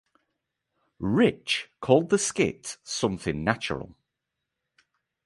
Ricch called the skit "something natural".